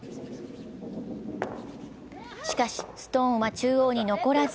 しかし、ストーンは中央に残らず。